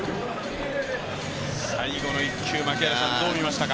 最後の１球、槙原さん、どう見ましたか？